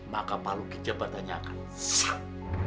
maka pak luki jabatannya akan shooot naik